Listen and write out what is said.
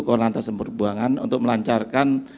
koronatas dan perbuangan untuk melancarkan